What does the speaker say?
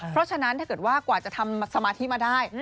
เพราะฉะนั้นถ้าเกิดว่ากว่าจะทำสมาธิมาได้